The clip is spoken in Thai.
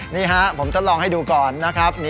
นี่ฮะผมทดลองให้ดูก่อนนะครับ